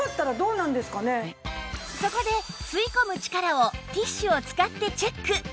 そこで吸い込む力をティッシュを使ってチェック